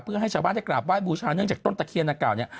เพื่อให้ชาวบ้านได้กราบไห้บูชาเนื่องจากต้นตะเคียนดังกล่าวเนี่ย